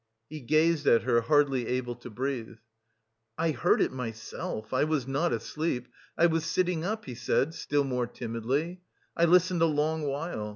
He gazed at her, hardly able to breathe. "I heard it myself.... I was not asleep... I was sitting up," he said still more timidly. "I listened a long while.